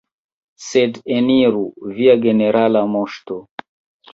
Sed, eniru, Via Generala Moŝto!